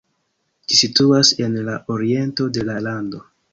Ĝi situas en la oriento de la lando.